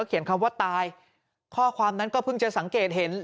เขียนคำว่าตายข้อความนั้นก็เพิ่งจะสังเกตเห็น